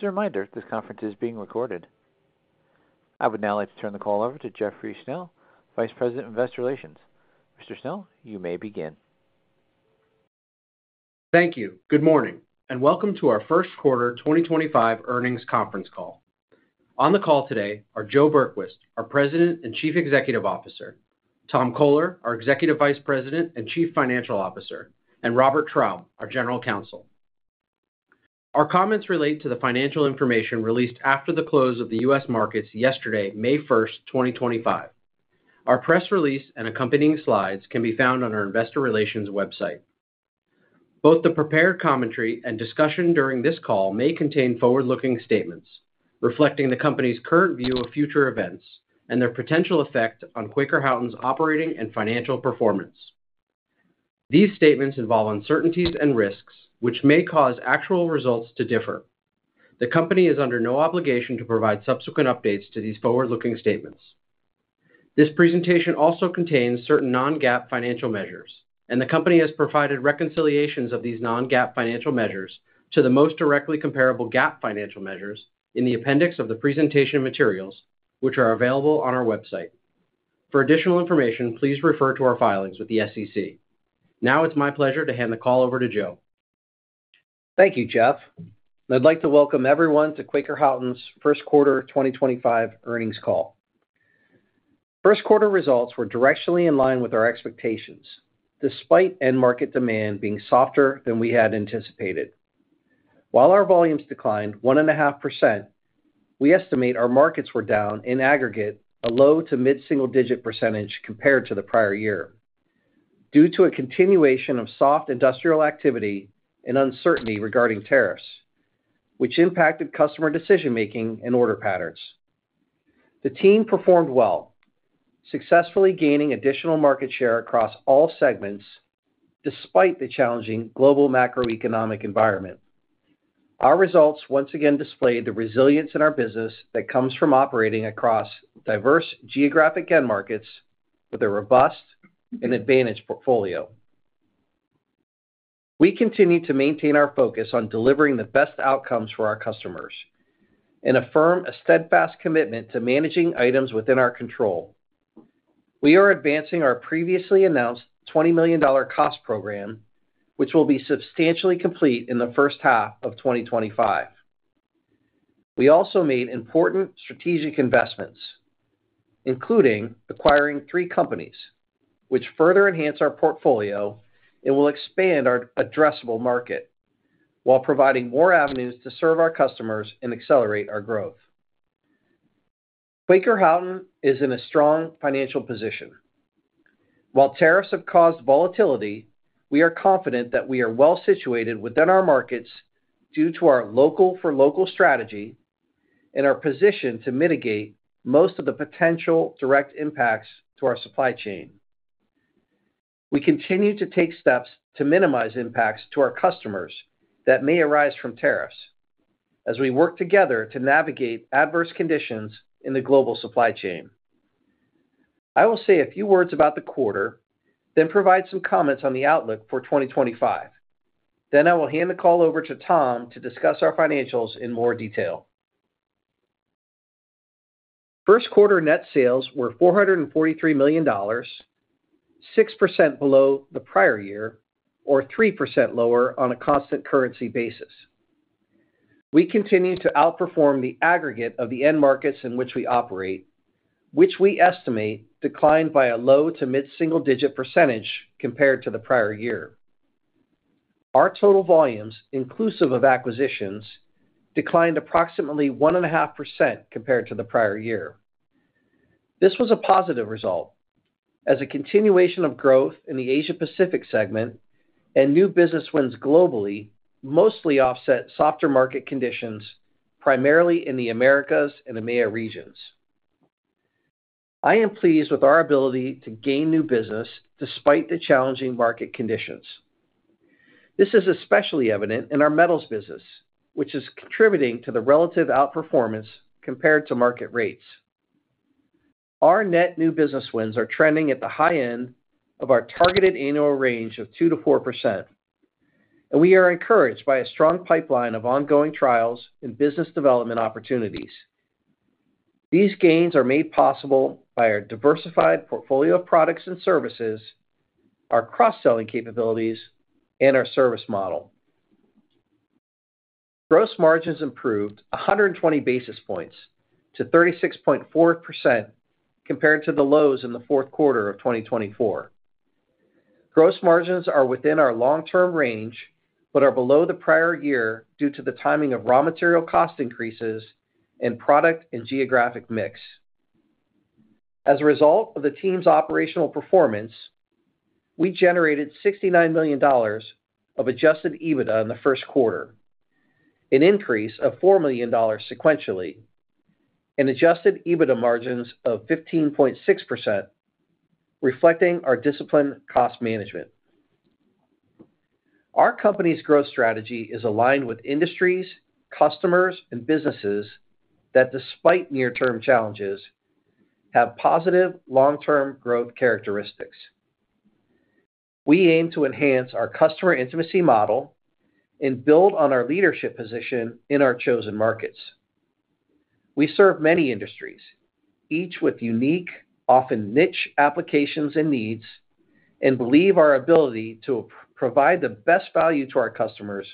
As a reminder, this conference is being recorded. I would now like to turn the call over to Jeffrey Schnell, Vice President of Investor Relations. Mr. Schnell, you may begin. Thank you. Good morning, and welcome to our first quarter 2025 earnings conference call. On the call today are Joe Berquist, our President and Chief Executive Officer; Tom Coler, our Executive Vice President and Chief Financial Officer; and Robert Traub, our General Counsel. Our comments relate to the financial information released after the close of the U.S. markets yesterday, May 1st, 2025. Our press release and accompanying slides can be found on our investor relations website. Both the prepared commentary and discussion during this call may contain forward-looking statements reflecting the company's current view of future events and their potential effect on Quaker Houghton’s operating and financial performance. These statements involve uncertainties and risks, which may cause actual results to differ. The company is under no obligation to provide subsequent updates to these forward-looking statements. This presentation also contains certain non-GAAP financial measures, and the company has provided reconciliations of these non-GAAP financial measures to the most directly comparable GAAP financial measures in the appendix of the presentation materials, which are available on our website. For additional information, please refer to our filings with the SEC. Now it's my pleasure to hand the call over to Joe. Thank you, Jeff. I'd like to welcome everyone to Quaker Houghton’s first quarter 2025 earnings call. First quarter results were directionally in line with our expectations, despite end market demand being softer than we had anticipated. While our volumes declined 1.5%, we estimate our markets were down, in aggregate, a low to mid-single-digit percentage compared to the prior year, due to a continuation of soft industrial activity and uncertainty regarding tariffs, which impacted customer decision-making and order patterns. The team performed well, successfully gaining additional market share across all segments despite the challenging global macroeconomic environment. Our results once again displayed the resilience in our business that comes from operating across diverse geographic end markets with a robust and advantaged portfolio. We continue to maintain our focus on delivering the best outcomes for our customers and affirm a steadfast commitment to managing items within our control. We are advancing our previously announced $20 million cost program, which will be substantially complete in the first half of 2025. We also made important strategic investments, including acquiring three companies, which further enhance our portfolio and will expand our addressable market while providing more avenues to serve our customers and accelerate our growth. Quaker Houghton is in a strong financial position. While tariffs have caused volatility, we are confident that we are well situated within our markets due to our local-for-local strategy and our position to mitigate most of the potential direct impacts to our supply chain. We continue to take steps to minimize impacts to our customers that may arise from tariffs as we work together to navigate adverse conditions in the global supply chain. I will say a few words about the quarter, then provide some comments on the outlook for 2025. I will hand the call over to Tom to discuss our financials in more detail. First quarter net sales were $443 million, 6% below the prior year or 3% lower on a constant currency basis. We continue to outperform the aggregate of the end markets in which we operate, which we estimate declined by a low to mid-single-digit percentage compared to the prior year. Our total volumes, inclusive of acquisitions, declined approximately 1.5% compared to the prior year. This was a positive result, as a continuation of growth in the Asia-Pacific segment and new business wins globally mostly offset softer market conditions primarily in the Americas and EMEA regions. I am pleased with our ability to gain new business despite the challenging market conditions. This is especially evident in our metals business, which is contributing to the relative outperformance compared to market rates. Our net new business wins are trending at the high end of our targeted annual range of 2%-4%, and we are encouraged by a strong pipeline of ongoing trials and business development opportunities. These gains are made possible by our diversified portfolio of products and services, our cross-selling capabilities, and our service model. Gross margins improved 120 basis points to 36.4% compared to the lows in the fourth quarter of 2024. Gross margins are within our long-term range but are below the prior year due to the timing of raw material cost increases and product and geographic mix. As a result of the team's operational performance, we generated $69 million of adjusted EBITDA in the first quarter, an increase of $4 million sequentially, and adjusted EBITDA margins of 15.6%, reflecting our disciplined cost management. Our company's growth strategy is aligned with industries, customers, and businesses that, despite near-term challenges, have positive long-term growth characteristics. We aim to enhance our customer intimacy model and build on our leadership position in our chosen markets. We serve many industries, each with unique, often niche applications and needs, and believe our ability to provide the best value to our customers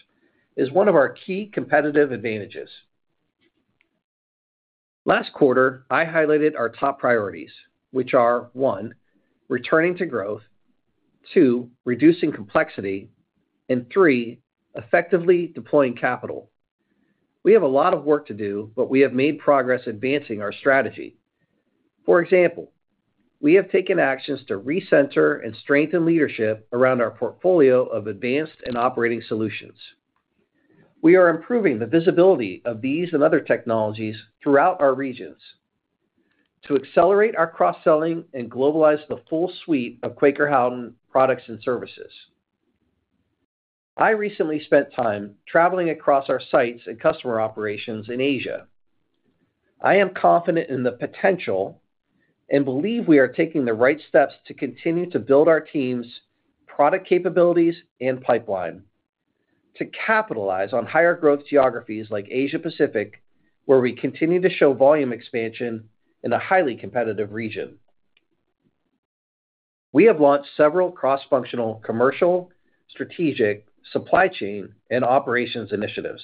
is one of our key competitive advantages. Last quarter, I highlighted our top priorities, which are: one, returning to growth; two, reducing complexity; and three, effectively deploying capital. We have a lot of work to do, but we have made progress advancing our strategy. For example, we have taken actions to recenter and strengthen leadership around our portfolio of advanced and operating solutions. We are improving the visibility of these and other technologies throughout our regions to accelerate our cross-selling and globalize the full suite of Quaker Houghton products and services. I recently spent time traveling across our sites and customer operations in Asia. I am confident in the potential and believe we are taking the right steps to continue to build our team's product capabilities and pipeline to capitalize on higher growth geographies like Asia-Pacific, where we continue to show volume expansion in a highly competitive region. We have launched several cross-functional commercial, strategic, supply chain, and operations initiatives.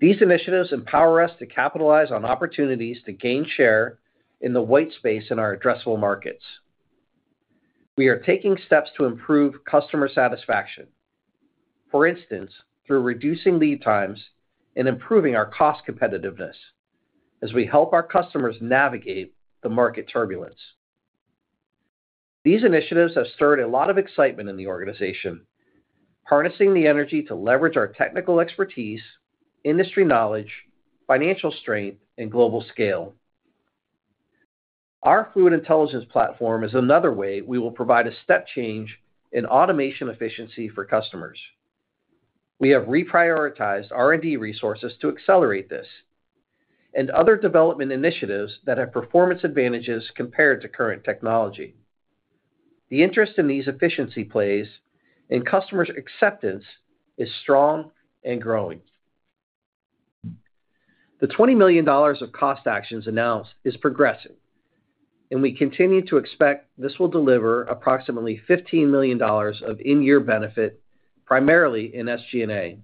These initiatives empower us to capitalize on opportunities to gain share in the white space in our addressable markets. We are taking steps to improve customer satisfaction, for instance, through reducing lead times and improving our cost competitiveness as we help our customers navigate the market turbulence. These initiatives have stirred a lot of excitement in the organization, harnessing the energy to leverage our technical expertise, industry knowledge, financial strength, and global scale. Our Fluid Intelligence platform is another way we will provide a step change in automation efficiency for customers. We have reprioritized R&D resources to accelerate this and other development initiatives that have performance advantages compared to current technology. The interest in these efficiency plays and customers' acceptance is strong and growing. The $20 million of cost actions announced is progressing, and we continue to expect this will deliver approximately $15 million of in-year benefit, primarily in SG&A.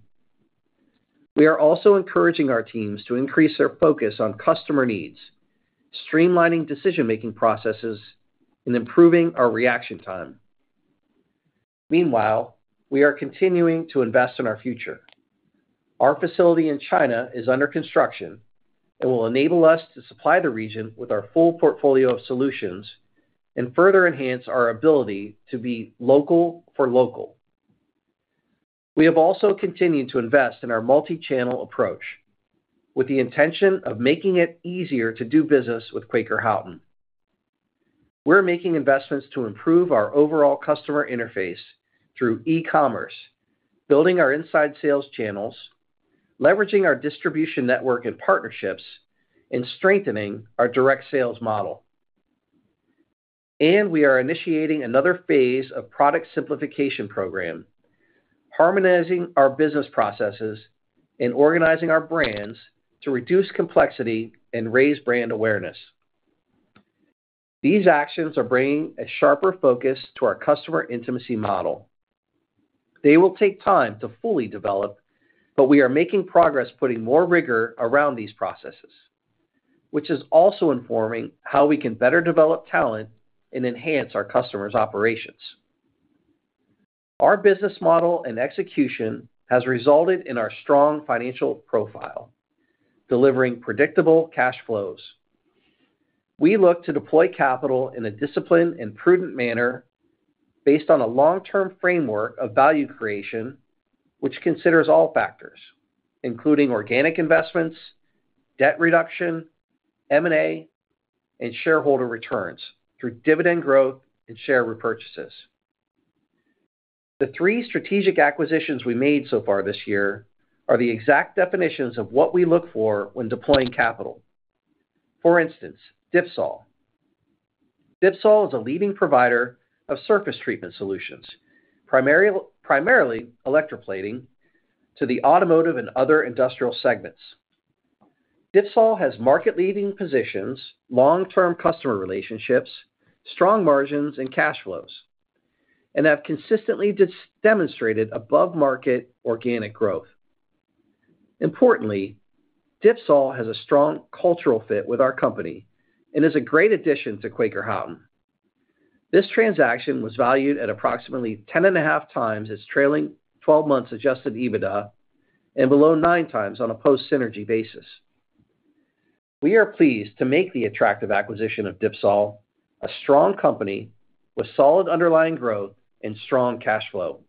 We are also encouraging our teams to increase their focus on customer needs, streamlining decision-making processes, and improving our reaction time. Meanwhile, we are continuing to invest in our future. Our facility in China is under construction and will enable us to supply the region with our full portfolio of solutions and further enhance our ability to be local for local. We have also continued to invest in our multi-channel approach with the intention of making it easier to do business with Quaker Houghton. We are making investments to improve our overall customer interface through e-commerce, building our inside sales channels, leveraging our distribution network and partnerships, and strengthening our direct sales model. We are initiating another phase of product simplification program, harmonizing our business processes and organizing our brands to reduce complexity and raise brand awareness. These actions are bringing a sharper focus to our customer intimacy model. They will take time to fully develop, but we are making progress putting more rigor around these processes, which is also informing how we can better develop talent and enhance our customers' operations. Our business model and execution has resulted in our strong financial profile, delivering predictable cash flows. We look to deploy capital in a disciplined and prudent manner based on a long-term framework of value creation, which considers all factors, including organic investments, debt reduction, M&A, and shareholder returns through dividend growth and share repurchases. The three strategic acquisitions we made so far this year are the exact definitions of what we look for when deploying capital. For instance, DIPSOL. DIPSOL is a leading provider of surface treatment solutions, primarily electroplating, to the automotive and other industrial segments. DIPSOL has market-leading positions, long-term customer relationships, strong margins, and cash flows, and have consistently demonstrated above-market organic growth. Importantly, DIPSOL has a strong cultural fit with our company and is a great addition to Quaker Houghton. This transaction was valued at approximately 10.5x its trailing 12 months' adjusted EBITDA and below 9x on a post-synergy basis. We are pleased to make the attractive acquisition of DIPSOL, a strong company with solid underlying growth and strong cash flow.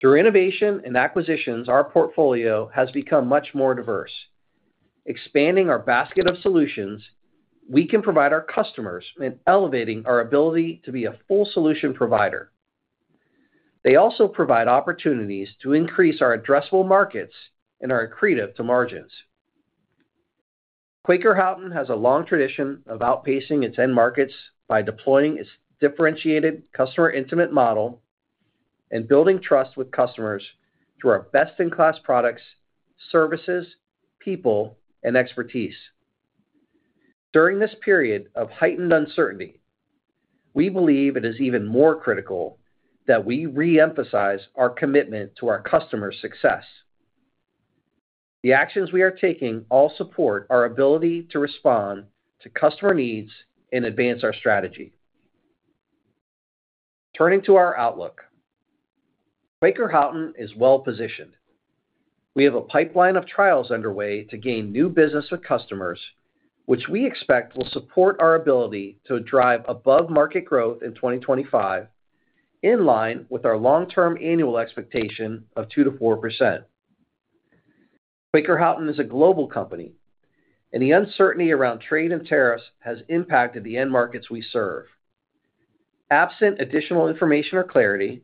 Through innovation and acquisitions, our portfolio has become much more diverse. Expanding our basket of solutions, we can provide our customers and elevating our ability to be a full solution provider. They also provide opportunities to increase our addressable markets and are accretive to margins. Quaker Houghton has a long tradition of outpacing its end markets by deploying its differentiated customer intimate model and building trust with customers through our best-in-class products, services, people, and expertise. During this period of heightened uncertainty, we believe it is even more critical that we re-emphasize our commitment to our customers' success. The actions we are taking all support our ability to respond to customer needs and advance our strategy. Turning to our outlook, Quaker Houghton is well positioned. We have a pipeline of trials underway to gain new business with customers, which we expect will support our ability to drive above-market growth in 2025 in line with our long-term annual expectation of 2%-4%. Quaker Houghton is a global company, and the uncertainty around trade and tariffs has impacted the end markets we serve. Absent additional information or clarity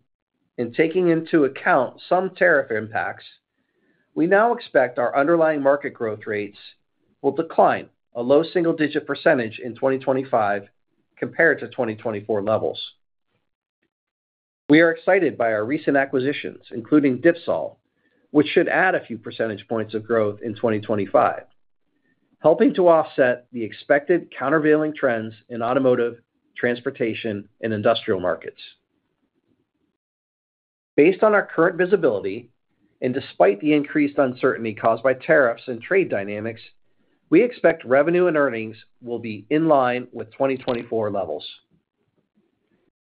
and taking into account some tariff impacts, we now expect our underlying market growth rates will decline a low single-digit percentage in 2025 compared to 2024 levels. We are excited by our recent acquisitions, including DIPSOL, which should add a few percentage points of growth in 2025, helping to offset the expected countervailing trends in automotive, transportation, and industrial markets. Based on our current visibility and despite the increased uncertainty caused by tariffs and trade dynamics, we expect revenue and earnings will be in line with 2024 levels.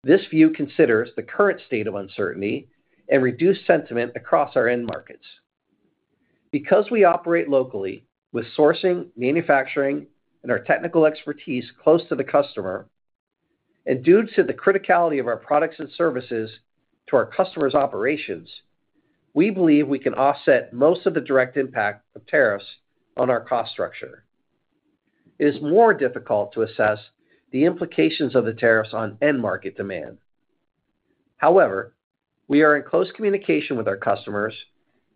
This view considers the current state of uncertainty and reduced sentiment across our end markets. Because we operate locally with sourcing, manufacturing, and our technical expertise close to the customer, and due to the criticality of our products and services to our customers' operations, we believe we can offset most of the direct impact of tariffs on our cost structure. It is more difficult to assess the implications of the tariffs on end-market demand. However, we are in close communication with our customers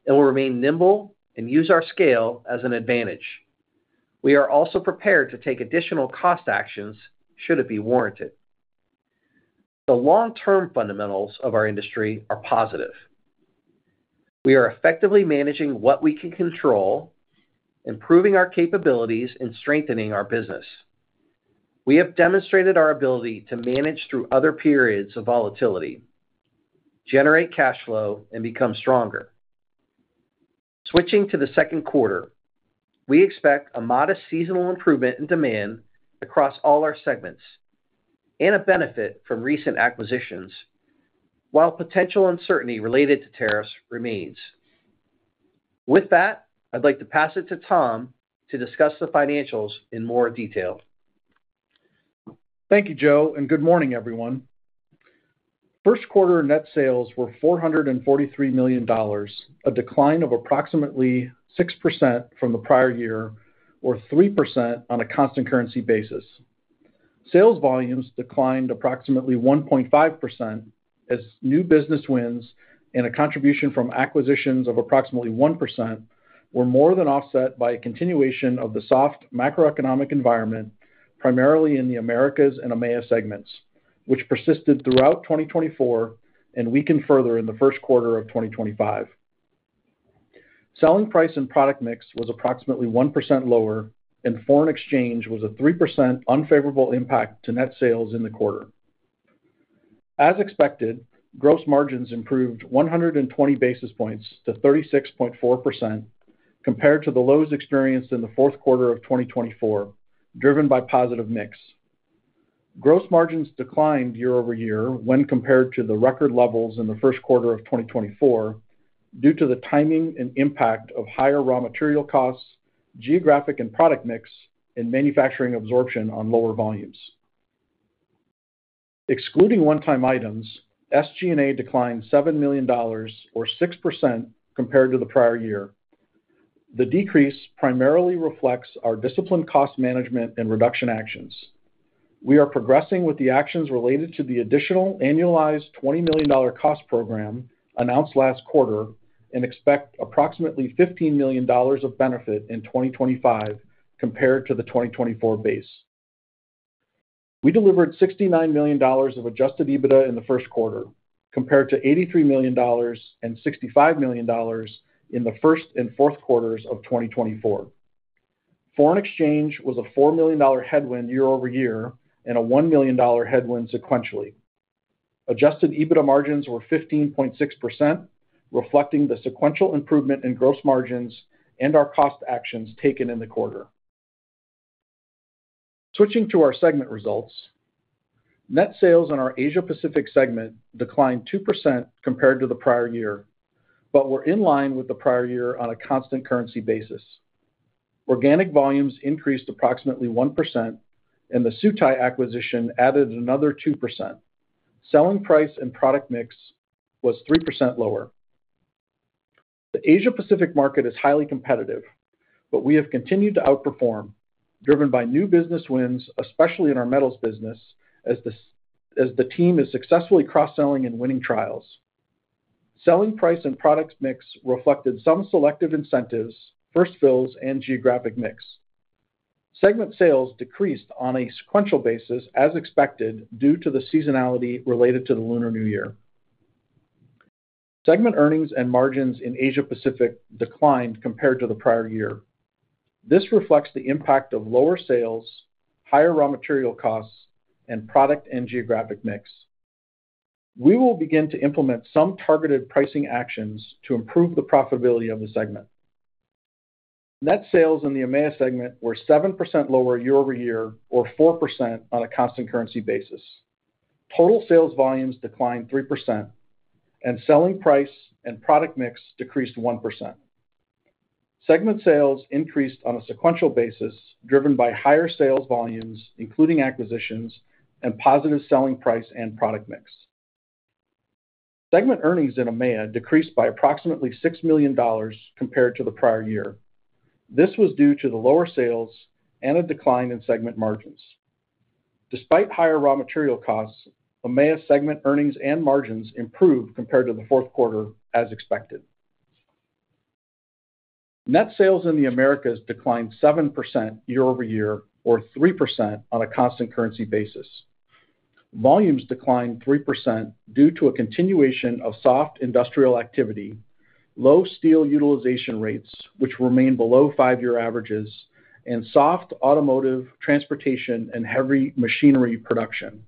and will remain nimble and use our scale as an advantage. We are also prepared to take additional cost actions should it be warranted. The long-term fundamentals of our industry are positive. We are effectively managing what we can control, improving our capabilities, and strengthening our business. We have demonstrated our ability to manage through other periods of volatility, generate cash flow, and become stronger. Switching to the second quarter, we expect a modest seasonal improvement in demand across all our segments and a benefit from recent acquisitions, while potential uncertainty related to tariffs remains. With that, I'd like to pass it to Tom to discuss the financials in more detail. Thank you, Joe, and good morning, everyone. First quarter net sales were $443 million, a decline of approximately 6% from the prior year, or 3% on a constant currency basis. Sales volumes declined approximately 1.5% as new business wins and a contribution from acquisitions of approximately 1% were more than offset by a continuation of the soft macroeconomic environment, primarily in the Americas and EMEA segments, which persisted throughout 2024 and weakened further in the first quarter of 2025. Selling price and product mix was approximately 1% lower, and foreign exchange was a 3% unfavorable impact to net sales in the quarter. As expected, gross margins improved 120 basis points to 36.4% compared to the lows experienced in the fourth quarter of 2024, driven by positive mix. Gross margins declined year-over-year when compared to the record levels in the first quarter of 2024 due to the timing and impact of higher raw material costs, geographic and product mix, and manufacturing absorption on lower volumes. Excluding one-time items, SG&A declined $7 million, or 6% compared to the prior year. The decrease primarily reflects our disciplined cost management and reduction actions. We are progressing with the actions related to the additional annualized $20 million cost program announced last quarter and expect approximately $15 million of benefit in 2025 compared to the 2024 base. We delivered $69 million of adjusted EBITDA in the first quarter compared to $83 million and $65 million in the first and fourth quarters of 2024. Foreign exchange was a $4 million headwind year-over-year and a $1 million headwind sequentially. Adjusted EBITDA margins were 15.6%, reflecting the sequential improvement in gross margins and our cost actions taken in the quarter. Switching to our segment results, net sales in our Asia-Pacific segment declined 2% compared to the prior year, but were in line with the prior year on a constant currency basis. Organic volumes increased approximately 1%, and the Sutai acquisition added another 2%. Selling price and product mix was 3% lower. The Asia-Pacific market is highly competitive, but we have continued to outperform, driven by new business wins, especially in our metals business, as the team is successfully cross-selling and winning trials. Selling price and product mix reflected some selective incentives, first fills, and geographic mix. Segment sales decreased on a sequential basis, as expected, due to the seasonality related to the Lunar New Year. Segment earnings and margins in Asia-Pacific declined compared to the prior year. This reflects the impact of lower sales, higher raw material costs, and product and geographic mix. We will begin to implement some targeted pricing actions to improve the profitability of the segment. Net sales in the EMEA segment were 7% lower year-over-year, or 4% on a constant currency basis. Total sales volumes declined 3%, and selling price and product mix decreased 1%. Segment sales increased on a sequential basis, driven by higher sales volumes, including acquisitions, and positive selling price and product mix. Segment earnings in EMEA decreased by approximately $6 million compared to the prior year. This was due to the lower sales and a decline in segment margins. Despite higher raw material costs, EMEA segment earnings and margins improved compared to the fourth quarter, as expected. Net sales in the Americas declined 7% year-over-year, or 3% on a constant currency basis. Volumes declined 3% due to a continuation of soft industrial activity, low steel utilization rates, which remain below five-year averages, and soft automotive, transportation, and heavy machinery production.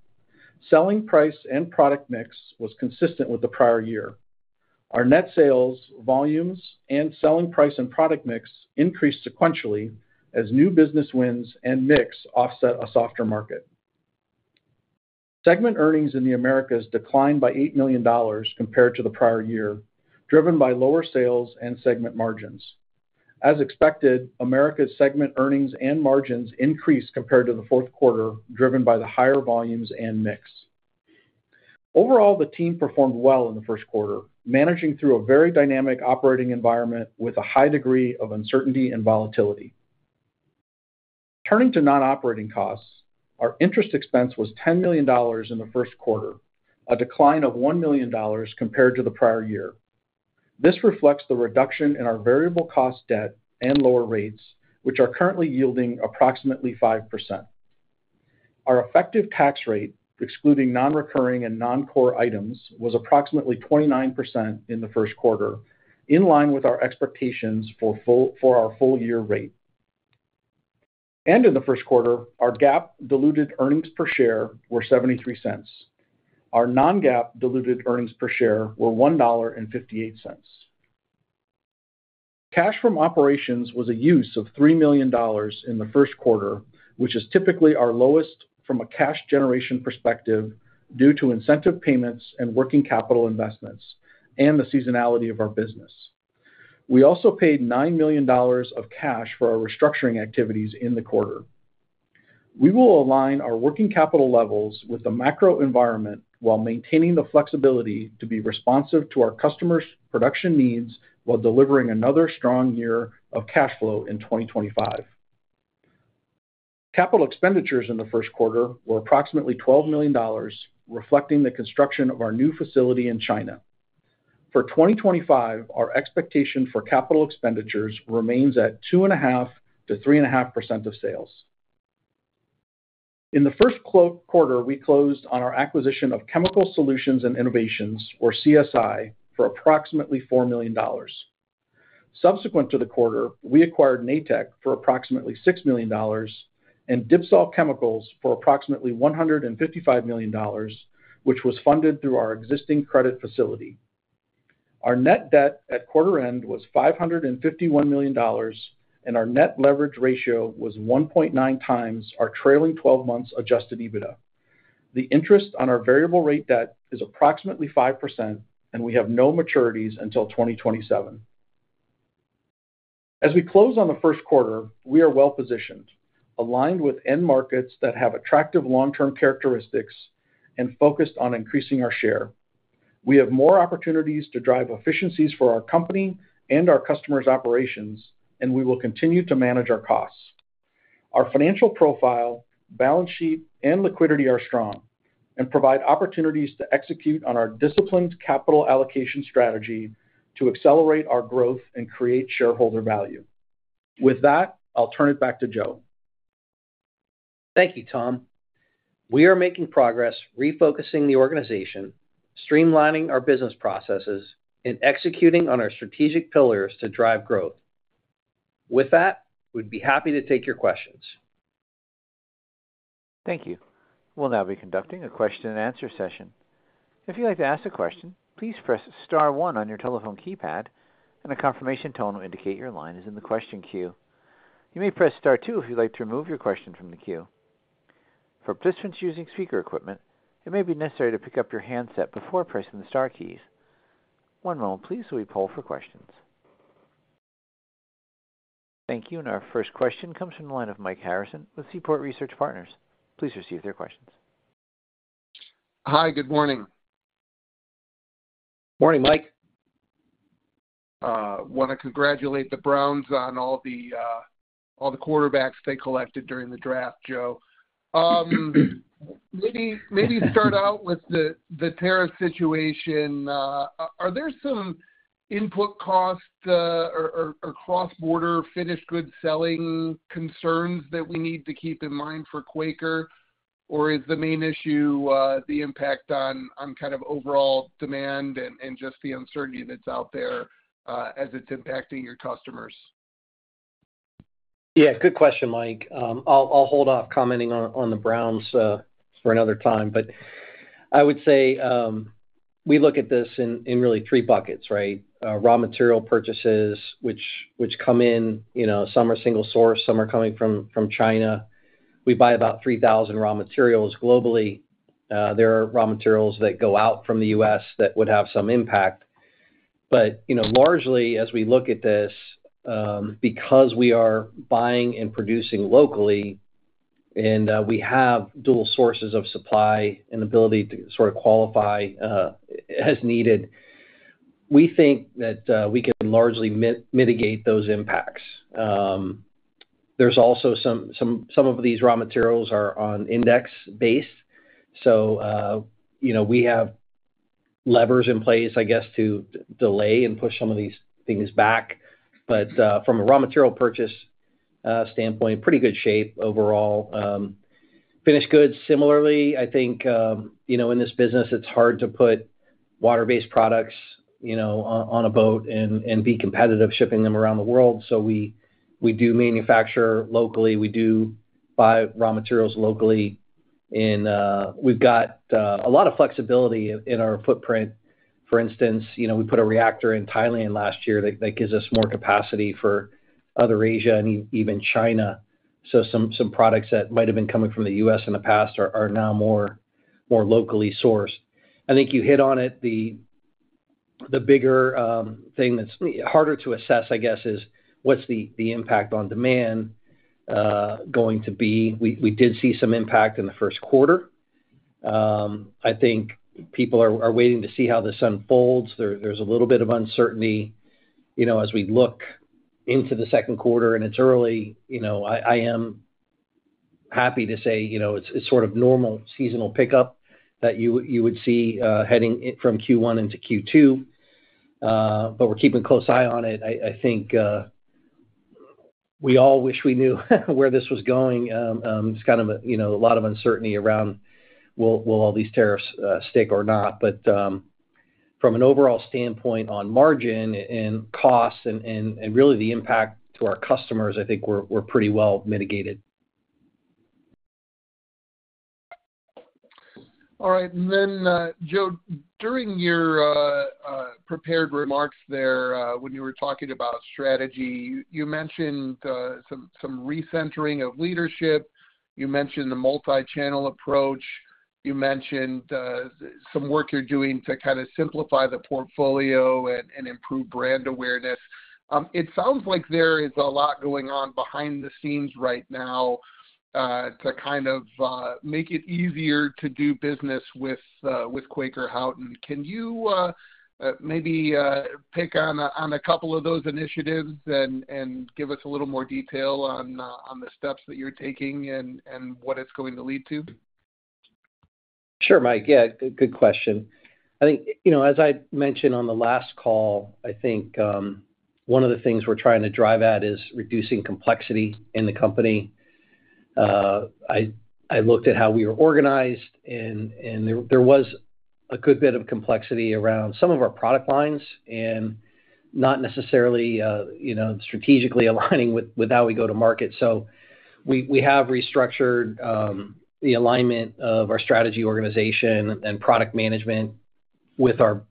Selling price and product mix was consistent with the prior year. Our net sales, volumes, and selling price and product mix increased sequentially as new business wins and mix offset a softer market. Segment earnings in the Americas declined by $8 million compared to the prior year, driven by lower sales and segment margins. As expected, Americas segment earnings and margins increased compared to the fourth quarter, driven by the higher volumes and mix. Overall, the team performed well in the first quarter, managing through a very dynamic operating environment with a high degree of uncertainty and volatility. Turning to non-operating costs, our interest expense was $10 million in the first quarter, a decline of $1 million compared to the prior year. This reflects the reduction in our variable cost debt and lower rates, which are currently yielding approximately 5%. Our effective tax rate, excluding non-recurring and non-core items, was approximately 29% in the first quarter, in line with our expectations for our full-year rate. In the first quarter, our GAAP diluted earnings per share were $0.73. Our non-GAAP diluted earnings per share were $1.58. Cash from operations was a use of $3 million in the first quarter, which is typically our lowest from a cash generation perspective due to incentive payments and working capital investments and the seasonality of our business. We also paid $9 million of cash for our restructuring activities in the quarter. We will align our working capital levels with the macro environment while maintaining the flexibility to be responsive to our customers' production needs while delivering another strong year of cash flow in 2025. Capital expenditures in the first quarter were approximately $12 million, reflecting the construction of our new facility in China. For 2025, our expectation for capital expenditures remains at 2.5%-3.5% of sales. In the first quarter, we closed on our acquisition of Chemical Solutions & Innovations, or CSI, for approximately $4 million. Subsequent to the quarter, we acquired Natech for approximately $6 million and DIPSOL for approximately $155 million, which was funded through our existing credit facility. Our net debt at quarter-end was $551 million, and our net leverage ratio was 1.9x our trailing 12 months' adjusted EBITDA. The interest on our variable-rate debt is approximately 5%, and we have no maturities until 2027. As we close on the first quarter, we are well positioned, aligned with end markets that have attractive long-term characteristics and focused on increasing our share. We have more opportunities to drive efficiencies for our company and our customers' operations, and we will continue to manage our costs. Our financial profile, balance sheet, and liquidity are strong and provide opportunities to execute on our disciplined capital allocation strategy to accelerate our growth and create shareholder value. With that, I'll turn it back to Joe. Thank you, Tom. We are making progress, refocusing the organization, streamlining our business processes, and executing on our strategic pillars to drive growth. With that, we'd be happy to take your questions. Thank you. We will now be conducting a Q&A session. If you'd like to ask a question, please press star one on your telephone keypad, and a confirmation tone will indicate your line is in the question queue. You may press star two if you'd like to remove your question from the queue. For participants using speaker equipment, it may be necessary to pick up your handset before pressing the star keys. One moment, please, while we poll for questions. Thank you. Our first question comes from the line of Mike Harrison with Seaport Research Partners. Please receive their questions. Hi. Good morning. Morning, Mike. Want to congratulate the Browns on all the quarterbacks they collected during the draft, Joe. Maybe start out with the tariff situation. Are there some input costs or cross-border finished goods selling concerns that we need to keep in mind for Quaker? Is the main issue the impact on kind of overall demand and just the uncertainty that's out there as it's impacting your customers? Yeah. Good question, Mike. I'll hold off commenting on the Browns for another time. I would say we look at this in really three buckets, right? Raw material purchases, which come in. Some are single source. Some are coming from China. We buy about 3,000 raw materials globally. There are raw materials that go out from the U.S. that would have some impact. Largely, as we look at this, because we are buying and producing locally and we have dual sources of supply and ability to sort of qualify as needed, we think that we can largely mitigate those impacts. There are also some of these raw materials that are on index base. We have levers in place, I guess, to delay and push some of these things back. From a raw material purchase standpoint, pretty good shape overall. Finished goods, similarly, I think in this business, it's hard to put water-based products on a boat and be competitive shipping them around the world. We do manufacture locally. We do buy raw materials locally. We have a lot of flexibility in our footprint. For instance, we put a reactor in Thailand last year that gives us more capacity for other Asia and even China. Some products that might have been coming from the U.S. in the past are now more locally sourced. I think you hit on it. The bigger thing that's harder to assess, I guess, is what's the impact on demand going to be? We did see some impact in the first quarter. I think people are waiting to see how this unfolds. There's a little bit of uncertainty as we look into the second quarter, and it's early. I am happy to say it's sort of normal seasonal pickup that you would see heading from Q1 into Q2. We're keeping a close eye on it. I think we all wish we knew where this was going. It's kind of a lot of uncertainty around will all these tariffs stick or not. From an overall standpoint on margin and costs and really the impact to our customers, I think we're pretty well mitigated. All right. Joe, during your prepared remarks there when you were talking about strategy, you mentioned some recentering of leadership. You mentioned the multi-channel approach. You mentioned some work you're doing to kind of simplify the portfolio and improve brand awareness. It sounds like there is a lot going on behind the scenes right now to kind of make it easier to do business with Quaker Houghton. Can you maybe pick on a couple of those initiatives and give us a little more detail on the steps that you're taking and what it's going to lead to? Sure, Mike. Yeah. Good question. I think as I mentioned on the last call, I think one of the things we're trying to drive at is reducing complexity in the company. I looked at how we were organized, and there was a good bit of complexity around some of our product lines and not necessarily strategically aligning with how we go to market. We have restructured the alignment of our strategy organization and product management with our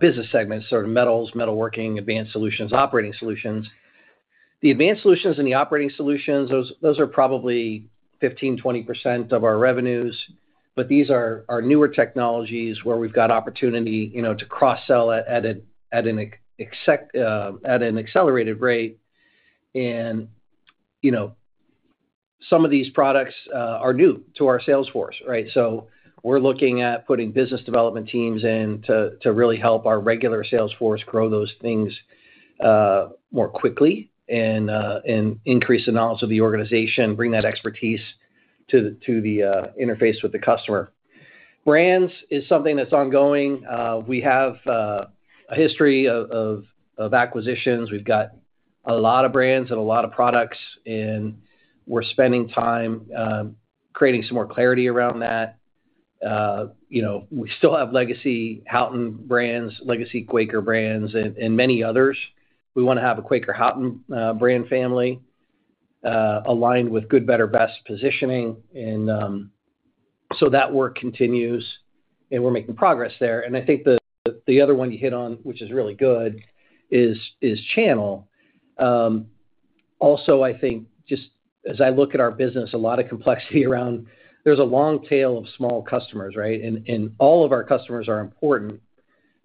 business segments, sort of metals, metalworking, advanced solutions, operating solutions. The advanced solutions and the operating solutions, those are probably 15%-20% of our revenues. These are newer technologies where we've got opportunity to cross-sell at an accelerated rate. Some of these products are new to our sales force, right? We're looking at putting business development teams in to really help our regular sales force grow those things more quickly and increase the knowledge of the organization, bring that expertise to the interface with the customer. Brands is something that's ongoing. We have a history of acquisitions. We've got a lot of brands and a lot of products, and we're spending time creating some more clarity around that. We still have legacy Houghton brands, legacy Quaker brands, and many others. We want to have a Quaker Houghton brand family aligned with Good, Better, Best positioning. That work continues, and we're making progress there. I think the other one you hit on, which is really good, is channel. Also, I think just as I look at our business, a lot of complexity around there's a long tail of small customers, right? All of our customers are important.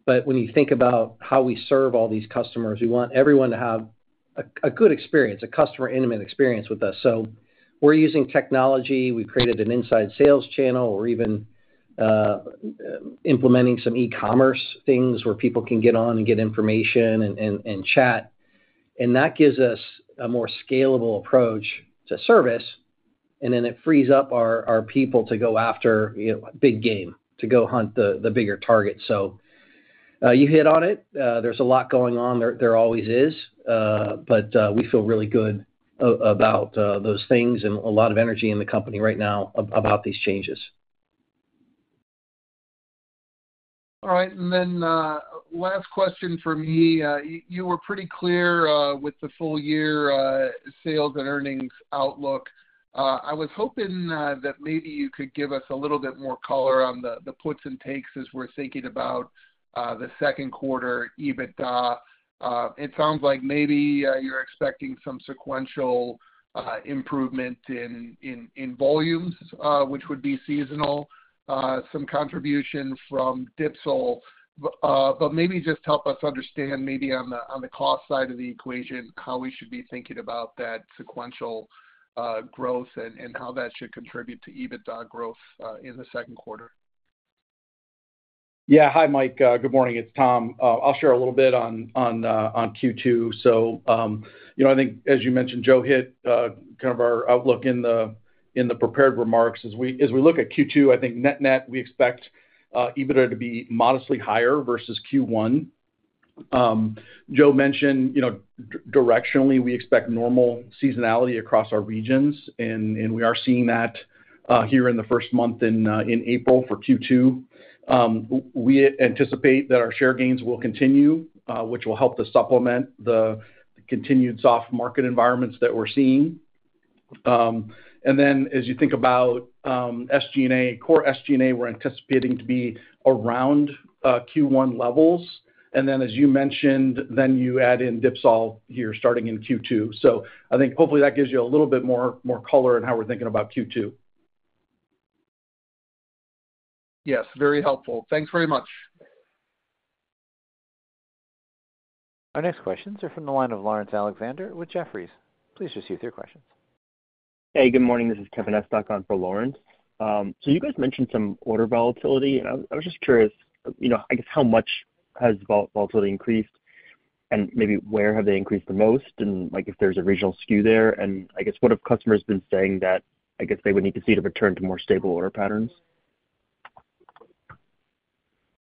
When you think about how we serve all these customers, we want everyone to have a good experience, a customer-intimate experience with us. We are using technology. We have created an inside sales channel. We are even implementing some e-commerce things where people can get on and get information and chat. That gives us a more scalable approach to service. It frees up our people to go after big game, to go hunt the bigger target. You hit on it. There is a lot going on. There always is. We feel really good about those things and a lot of energy in the company right now about these changes. All right. Last question for me. You were pretty clear with the full-year sales and earnings outlook. I was hoping that maybe you could give us a little bit more color on the puts and takes as we're thinking about the second quarter EBITDA. It sounds like maybe you're expecting some sequential improvement in volumes, which would be seasonal, some contribution from DIPSOL. Maybe just help us understand maybe on the cost side of the equation how we should be thinking about that sequential growth and how that should contribute to EBITDA growth in the second quarter. Yeah. Hi, Mike. Good morning. It's Tom. I'll share a little bit on Q2. I think, as you mentioned, Joe hit kind of our outlook in the prepared remarks. As we look at Q2, I think net-net, we expect EBITDA to be modestly higher versus Q1. Joe mentioned directionally, we expect normal seasonality across our regions. We are seeing that here in the first month in April for Q2. We anticipate that our share gains will continue, which will help to supplement the continued soft market environments that we're seeing. As you think about SG&A, core SG&A, we're anticipating to be around Q1 levels. As you mentioned, you add in DIPSOL here starting in Q2. I think hopefully that gives you a little bit more color in how we're thinking about Q2. Yes. Very helpful. Thanks very much. Our next questions are from the line of Laurence Alexander with Jefferies. Please receive their questions. Hey, good morning. This is Kevin Estok on for Laurence. You guys mentioned some order volatility. I was just curious, I guess, how much has volatility increased and maybe where have they increased the most and if there's a regional skew there? I guess, what have customers been saying that I guess they would need to see to return to more stable order patterns?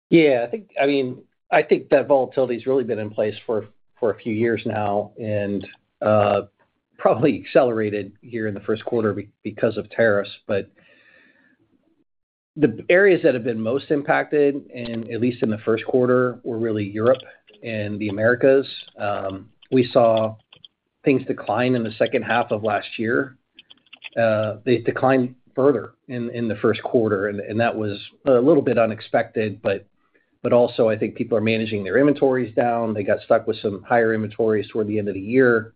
Yeah. I mean, I think that volatility has really been in place for a few years now and probably accelerated here in the first quarter because of tariffs. The areas that have been most impacted, at least in the first quarter, were really Europe and the Americas. We saw things decline in the second half of last year. They declined further in the first quarter. That was a little bit unexpected. I think people are managing their inventories down. They got stuck with some higher inventories toward the end of the year.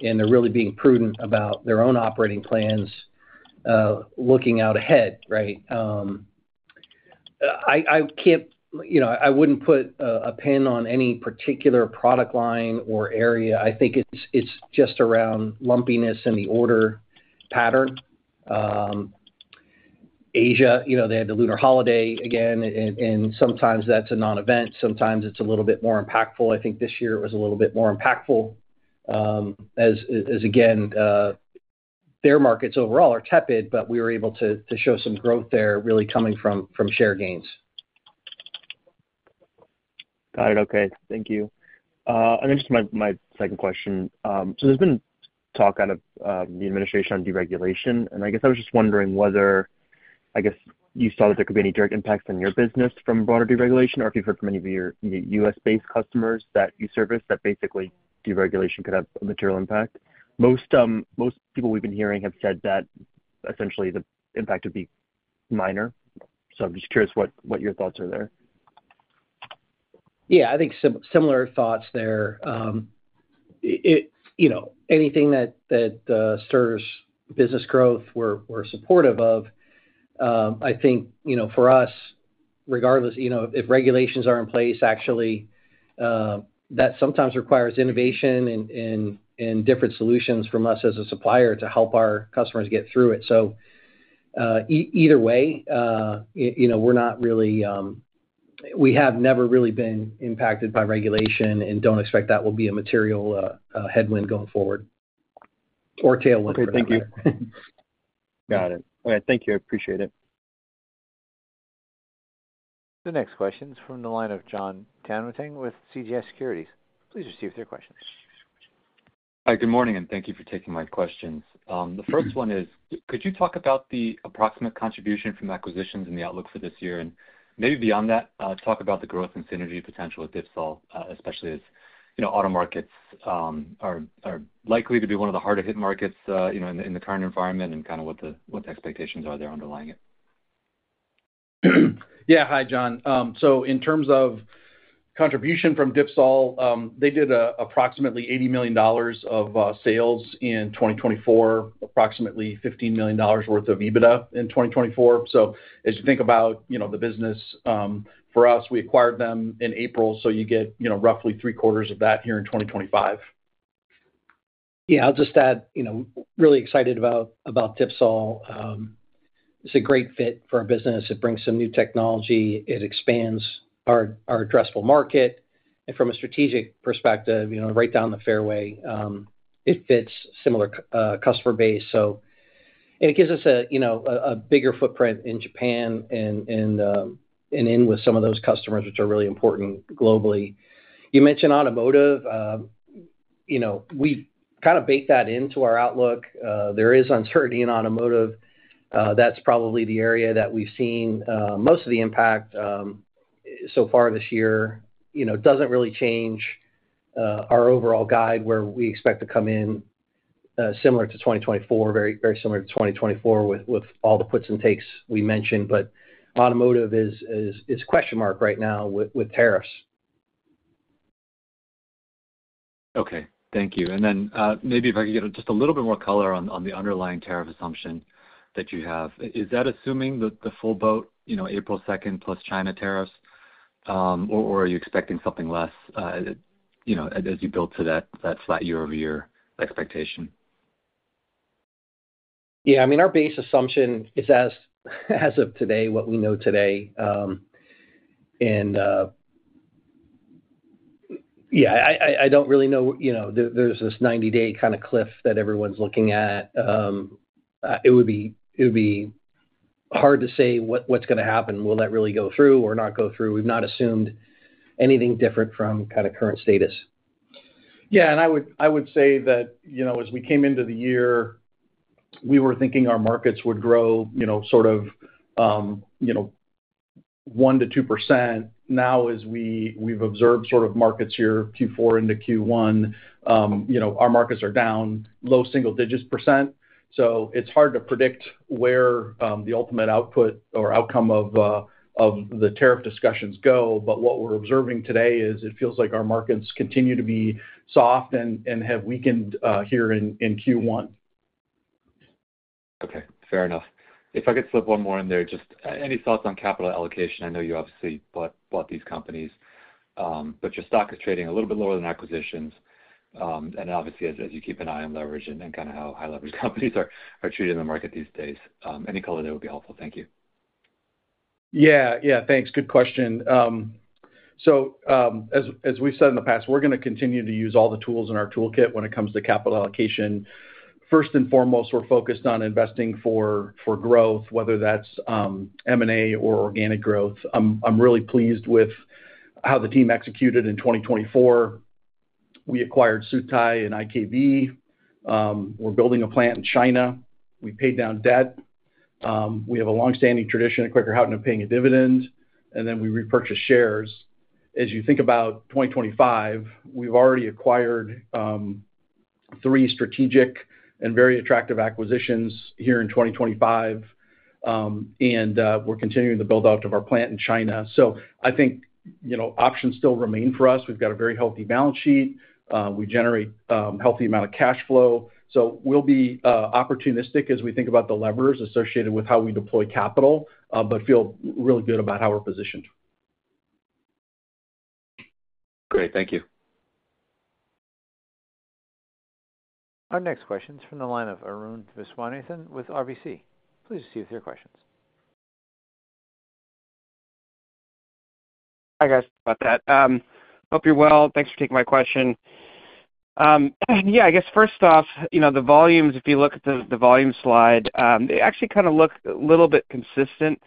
They are really being prudent about their own operating plans, looking out ahead, right? I would not put a pin on any particular product line or area. I think it's just around lumpiness in the order pattern. Asia, they had the lunar holiday again. Sometimes that's a non-event. Sometimes it's a little bit more impactful. I think this year it was a little bit more impactful as, again, their markets overall are tepid, but we were able to show some growth there really coming from share gains. Got it. Okay. Thank you. My second question. There's been talk out of the administration on deregulation. I was just wondering whether, I guess, you saw that there could be any direct impacts on your business from broader deregulation or if you've heard from any of your U.S.-based customers that you service that basically deregulation could have a material impact. Most people we've been hearing have said that essentially the impact would be minor. I'm just curious what your thoughts are there. Yeah. I think similar thoughts there. Anything that serves business growth, we're supportive of. I think for us, regardless, if regulations are in place, actually, that sometimes requires innovation and different solutions from us as a supplier to help our customers get through it. Either way, we have never really been impacted by regulation and don't expect that will be a material headwind going forward or tailwind for that. Okay. Thank you. Got it. All right. Thank you. I appreciate it. The next question is from the line of Jon Tanwanteng with CJS Securities. Please receive their questions. Hi. Good morning. And thank you for taking my questions. The first one is, could you talk about the approximate contribution from acquisitions and the outlook for this year? Maybe beyond that, talk about the growth and synergy potential with DIPSOL, especially as auto markets are likely to be one of the harder-hit markets in the current environment and kind of what the expectations are there underlying it. Yeah. Hi, Jon. In terms of contribution from DIPSOL, they did approximately $80 million of sales in 2024, approximately $15 million worth of EBITDA in 2024. As you think about the business, for us, we acquired them in April. You get roughly 3/4 of that here in 2025. Yeah. I'll just add, really excited about DIPSOL. It's a great fit for our business. It brings some new technology. It expands our addressable market. From a strategic perspective, right down the fairway, it fits similar customer base. It gives us a bigger footprint in Japan and in with some of those customers which are really important globally. You mentioned automotive. We kind of baked that into our outlook. There is uncertainty in automotive. That is probably the area that we have seen most of the impact so far this year. It does not really change our overall guide where we expect to come in similar to 2024, very similar to 2024 with all the puts and takes we mentioned. Automotive is question mark right now with tariffs. Okay. Thank you. Maybe if I could get just a little bit more color on the underlying tariff assumption that you have. Is that assuming the full boat, April 2nd plus China tariffs, or are you expecting something less as you build to that flat year-over-year expectation? Yeah. I mean, our base assumption is as of today, what we know today. Yeah, I don't really know. There's this 90-day kind of cliff that everyone's looking at. It would be hard to say what's going to happen. Will that really go through or not go through? We've not assumed anything different from kind of current status. Yeah. I would say that as we came into the year, we were thinking our markets would grow sort of 1%-2%. Now, as we've observed sort of markets here Q4 into Q1, our markets are down low single digits percent. It is hard to predict where the ultimate output or outcome of the tariff discussions go. What we're observing today is it feels like our markets continue to be soft and have weakened here in Q1. Okay. Fair enough. If I could slip one more in there, just any thoughts on capital allocation? I know you obviously bought these companies. Your stock is trading a little bit lower than acquisitions. Obviously, as you keep an eye on leverage and kind of how high-leverage companies are treated in the market these days, any color there would be helpful. Thank you. Yeah. Thanks. Good question. As we've said in the past, we're going to continue to use all the tools in our toolkit when it comes to capital allocation. First and foremost, we're focused on investing for growth, whether that's M&A or organic growth. I'm really pleased with how the team executed in 2024. We acquired Sutai and IKV. We're building a plant in China. We paid down debt. We have a long-standing tradition at Quaker Houghton of paying a dividend. Then we repurchased shares. As you think about 2025, we've already acquired three strategic and very attractive acquisitions here in 2025. We are continuing to build out our plant in China. I think options still remain for us. We've got a very healthy balance sheet. We generate a healthy amount of cash flow. We will be opportunistic as we think about the levers associated with how we deploy capital, but feel really good about how we're positioned. Great. Thank you. Our next question is from the line of Arun Viswanathan with RBC. Please use your questions. Hi, guys. About that. Hope you're well. Thanks for taking my question. Yeah. I guess first off, the volumes, if you look at the volume slide, they actually kind of look a little bit consistent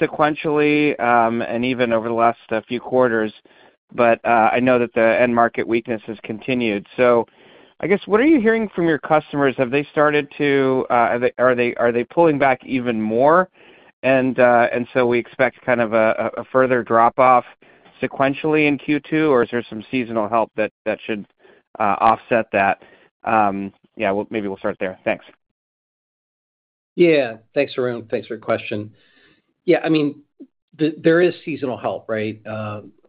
sequentially and even over the last few quarters. I know that the end market weakness has continued. I guess, what are you hearing from your customers? Have they started to, are they pulling back even more? We expect kind of a further drop-off sequentially in Q2, or is there some seasonal help that should offset that? Yeah. Maybe we'll start there. Thanks. Yeah. Thanks, Arun. Thanks for your question. Yeah. I mean, there is seasonal help, right?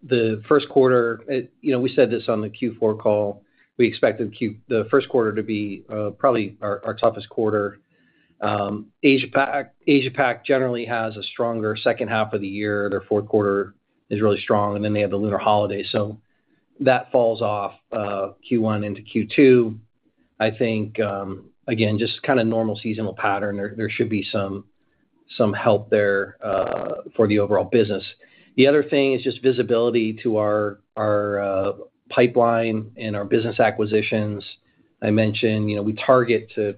The first quarter, we said this on the Q4 call, we expected the first quarter to be probably our toughest quarter. Asia-Pac generally has a stronger second half of the year. Their fourth quarter is really strong. Then they have the lunar holiday. That falls off Q1 into Q2. I think, again, just kind of normal seasonal pattern. There should be some help there for the overall business. The other thing is just visibility to our pipeline and our business acquisitions. I mentioned we target to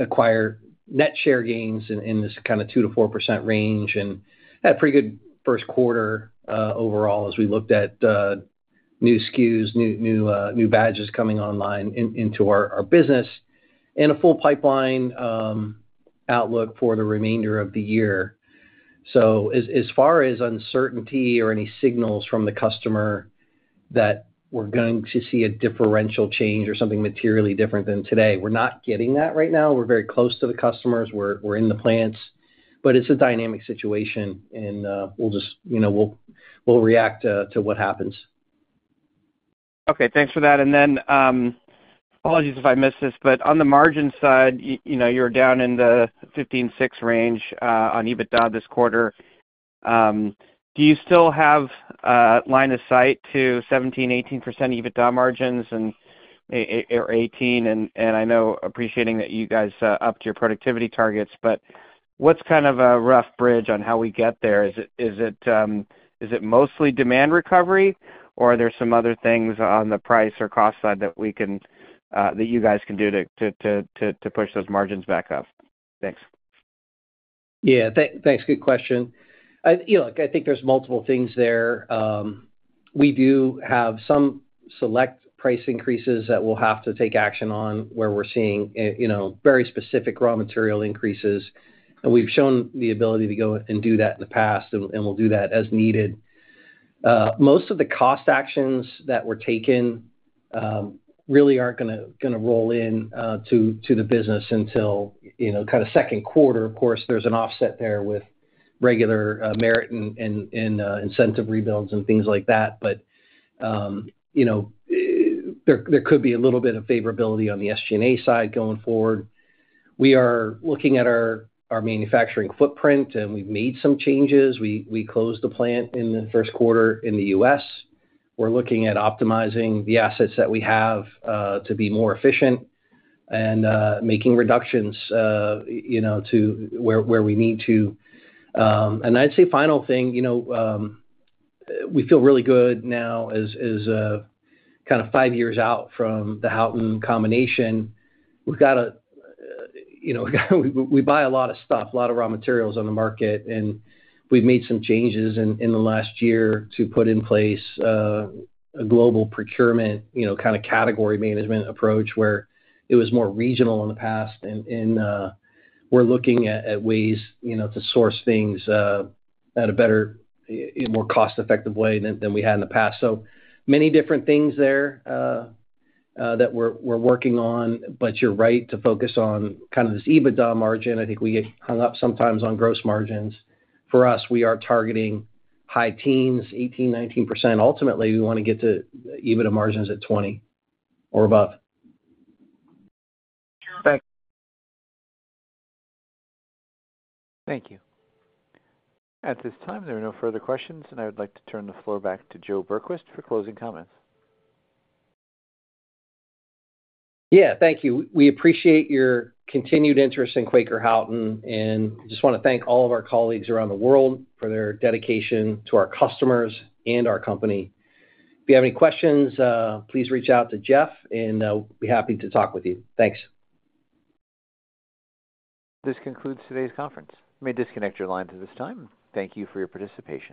acquire net share gains in this kind of 2%-4% range and had a pretty good first quarter overall as we looked at new SKUs, new badges coming online into our business, and a full pipeline outlook for the remainder of the year. As far as uncertainty or any signals from the customer that we're going to see a differential change or something materially different than today, we're not getting that right now. We're very close to the customers. We're in the plants. It's a dynamic situation. We'll react to what happens. Okay. Thanks for that. Apologies if I missed this. On the margin side, you're down in the 15.6% range on EBITDA this quarter. Do you still have line of sight to 17%-18% EBITDA margins or 18%? I know appreciating that you guys upped your productivity targets. What's kind of a rough bridge on how we get there? Is it mostly demand recovery, or are there some other things on the price or cost side that you guys can do to push those margins back up? Thanks. Yeah. Thanks. Good question. I think there's multiple things there. We do have some select price increases that we'll have to take action on where we're seeing very specific raw material increases. We've shown the ability to go and do that in the past, and we'll do that as needed. Most of the cost actions that were taken really aren't going to roll into the business until kind of second quarter. Of course, there's an offset there with regular merit and incentive rebuilds and things like that. There could be a little bit of favorability on the SG&A side going forward. We are looking at our manufacturing footprint, and we have made some changes. We closed the plant in the first quarter in the U.S. We are looking at optimizing the assets that we have to be more efficient and making reductions to where we need to. I would say final thing, we feel really good now as kind of five years out from the Houghton combination. We buy a lot of stuff, a lot of raw materials on the market. We have made some changes in the last year to put in place a global procurement kind of category management approach where it was more regional in the past. We are looking at ways to source things at a better, more cost-effective way than we had in the past. So many different things there that we're working on. You're right to focus on kind of this EBITDA margin. I think we get hung up sometimes on gross margins. For us, we are targeting high teens, 18%-19%. Ultimately, we want to get to EBITDA margins at 20% or above. Thank you. Thank you. At this time, there are no further questions. I would like to turn the floor back to Joe Berquist for closing comments. Thank you. We appreciate your continued interest in Quaker Houghton. I just want to thank all of our colleagues around the world for their dedication to our customers and our company. If you have any questions, please reach out to Jeff, and we'll be happy to talk with you. Thanks. This concludes today's conference. We may disconnect your lines at this time. Thank you for your participation.